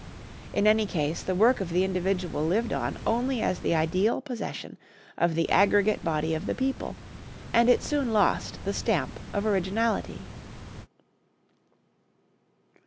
In any case the work of the individual lived on only as the ideal possession of the aggregate body of the people, and it soon lost the stamp of originality."